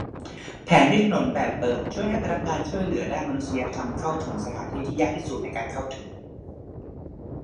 แผนที่ถนนแบบเปิดช่วยให้พนักงานช่วยเหลือด้านมนุษยธรรมเข้าถึงสถานที่ที่ยากที่สุดในการเข้าถึง